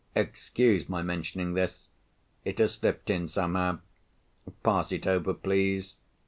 Excuse my mentioning this. It has slipped in somehow. Pass it over please.